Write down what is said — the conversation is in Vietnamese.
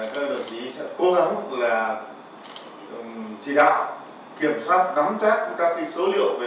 các đồng chí sẽ cố gắng là chỉ đạo kiểm soát nắm chát các tỷ số liệu về tổ huyền